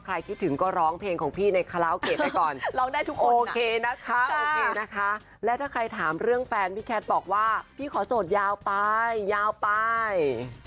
ใครคิดถึงก็ร้องเพลงของพี่ในคาลาวเกตไปก่อนโอเคนะคะและถ้าใครถามเรื่องแฟนพี่แคสบอกว่าพี่ขอโสดยาวไปยาวไป